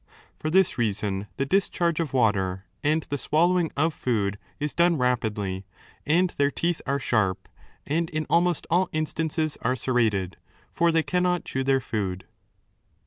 For this reason, the discharge of water and the swallowing of food is done rapidly, and their teeth are sharp, and in almost all instances are serrated, for they cannot chew their food.